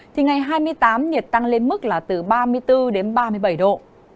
thì ngày hai mươi tám nhiệt tăng lên mức là từ ba mươi bốn đến ba mươi bảy độ